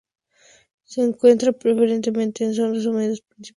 Se encuentra preferentemente en zonas húmedas, principalmente bosques.